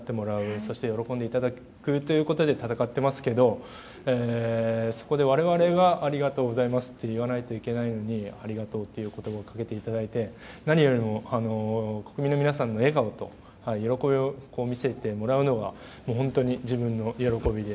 そして喜んでいただくことで戦っていますけど我々がありがとうございますって言わないといけないのにありがとうという言葉をかけていただいて何よりも国民の皆さんの笑顔と喜びを見せてもらうのがもう本当に自分の喜びで。